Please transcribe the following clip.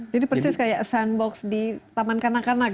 jadi persis kayak sandbox di taman kanak kanak ya